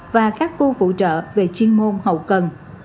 và các khu phụ trợ về chuyên môn hậu cần